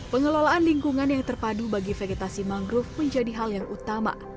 pengelolaan lingkungan yang terpadu bagi vegetasi mangrove menjadi hal yang utama